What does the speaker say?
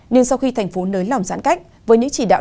nhưng sau khi thành phố nới lòng giãn cách với những chỉ đạo